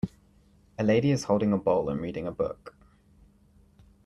A lady is holding a bowl and reading a book.